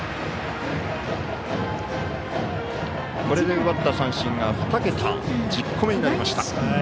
これで奪った三振が２桁１０個目になりました。